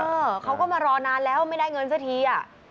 เออเขาก็มารอนานแล้วไม่ได้เงินสักทีอ่ะ